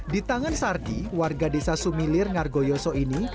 di tangan sardi warga desa sumilir ngargoyoso ini